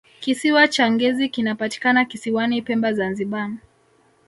kisiwa cha ngezi kinapatikana kisiwani pemba zanzibar